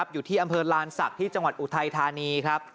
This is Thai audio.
อยู่ที่อำเภอลานศักดิ์ที่จังหวัดอุทัยธานีครับ